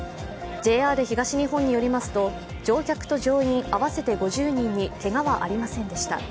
ＪＲ東日本によりますと乗客と乗員合わせて５０人にけがはありませんでした。